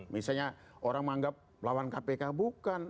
misalnya orang menganggap lawan kpk bukan